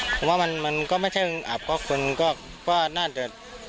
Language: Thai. เพราะว่ามันก็ไม่ใช่อับเพราะคนก็น่าจะ